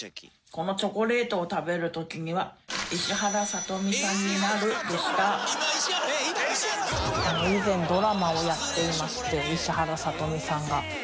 このチョコレートを食べる時には以前ドラマをやっていまして石原さとみさんが。